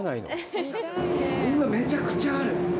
うわ、めちゃくちゃある。